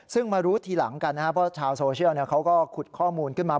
ซึ่งมารู้ทีหลังกันนะครับเพราะชาวโซเชียลเขาก็ขุดข้อมูลขึ้นมา